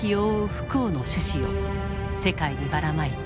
不幸の種子を世界にばらまいた。